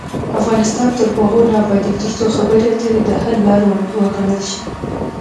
افغانستان تر هغو نه ابادیږي، ترڅو خبرې اترې د حل لار وګڼل شي.